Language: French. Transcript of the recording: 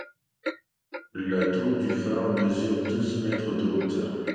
La tour du phare mesure douze mètres de hauteur.